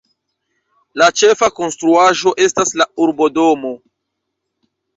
La ĉefa konstruaĵo estas la Urbodomo.